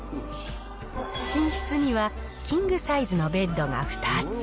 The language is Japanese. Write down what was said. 寝室には、キングサイズのベッドが２つ。